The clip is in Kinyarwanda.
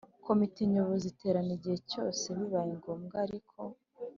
Komite nyobozi iterana igihe cyose bibaye ngombwa ariko